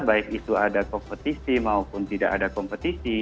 baik itu ada kompetisi maupun tidak ada kompetisi